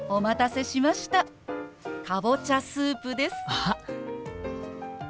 あっ。